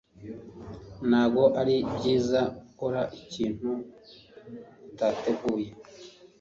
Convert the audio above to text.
Ntago ari byiza gukora ikintu utateguye,